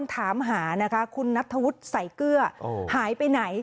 ถามหานะคะคุณนัทธวุฒิใส่เกลือหายไปไหน